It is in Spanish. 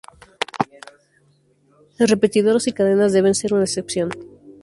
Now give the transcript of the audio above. Las repetidoras y cadenas deben ser una excepción.